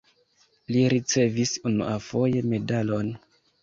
Li ricevis unuafoje medalon.